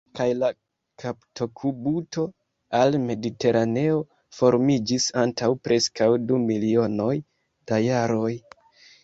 Kaj la kaptokubuto al Mediteraneo formiĝis antaŭ preskaŭ du milionoj da jaroj.